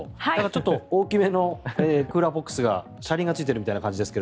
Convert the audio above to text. ちょっと大きめのクーラーボックスが車輪がついているみたいな感じですが。